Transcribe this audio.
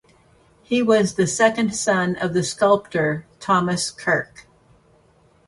He was the second son of the sculptor Thomas Kirk.